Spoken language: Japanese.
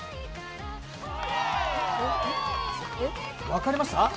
分かりました？